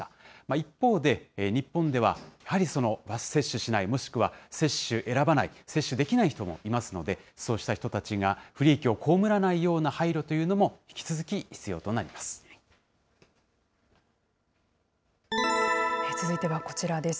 一方で、日本ではやはり接種しない、接種選ばない、接種できない人もいますので、そうした人たちが不利益を被らないような配慮というもの続いてはこちらです。